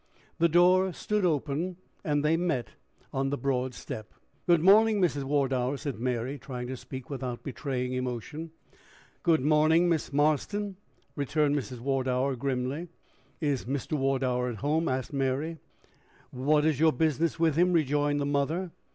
The door stood open, and they met on the broad step. "Good morning, Mrs. Wardour," said Mary, trying to speak without betraying emotion. "Good morning, Miss Marston," returned Mrs. Wardour, grimly. "Is Mr. Wardour at home?" asked Mary. "What is your business with him?" rejoined the mother.